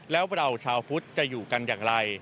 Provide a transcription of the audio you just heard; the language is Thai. แล้วเราชาวพุทธจะอยู่กันอย่างไร